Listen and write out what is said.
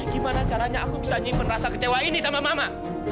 gimana caranya aku bisa nyimpen rasa kecewa ini sama mama